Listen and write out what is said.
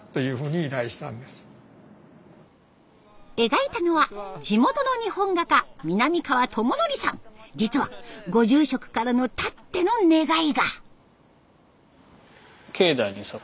描いたのは地元の日本画家実はご住職からのたっての願いが。